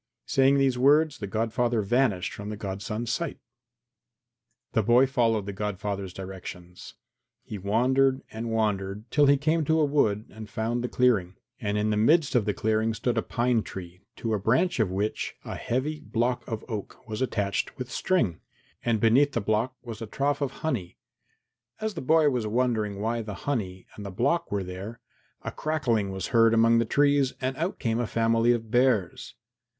Saying these words the godfather vanished from the godson's sight. IV The boy followed the godfather's directions. He wandered and wandered till he came to a wood and found the clearing, and in the midst of the clearing stood a pine tree to a branch of which a heavy block of oak was attached with string, and beneath the block was a trough of honey. As the boy was wondering why the honey and the block were there, a crackling was heard among the trees and out came a family of bears.